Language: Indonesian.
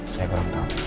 saya kurang tahu